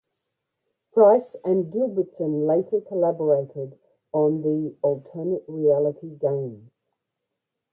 Price and Gilbertson later collaborated on the "Alternate Reality" games.